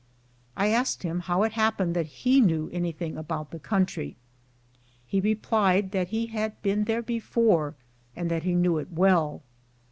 I asked him how it happened that he knew any thing about the country. He replied that he had been there before, and that he knew it well.